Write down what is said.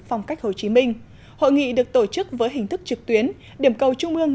phong cách hồ chí minh hội nghị được tổ chức với hình thức trực tuyến điểm cầu trung ương